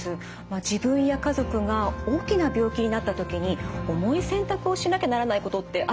自分や家族が大きな病気になった時に重い選択をしなきゃならないことってあると思うんです。